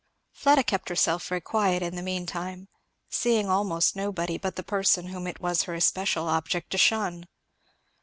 Fleda kept herself very quiet in the mean time, seeing almost nobody but the person whom it was her especial object to shun.